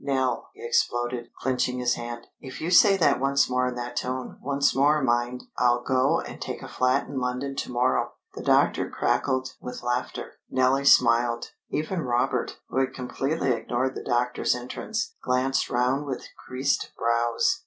"Nell," he exploded, clenching his hand. "If you say that once more in that tone once more, mind! I'll go and take a flat in London to morrow!" The doctor crackled with laughter. Nellie smiled. Even Robert, who had completely ignored the doctor's entrance, glanced round with creased brows.